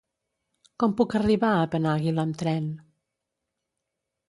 Com puc arribar a Penàguila amb tren?